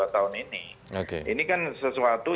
tahun ini ini kan sesuatu